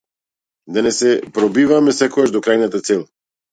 Да не се пробиваме секогаш до крајната цел.